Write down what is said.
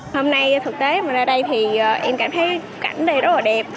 hôm nay thực tế mình ra đây thì em cảm thấy cảnh đây rất là đẹp